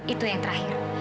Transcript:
itu yang terakhir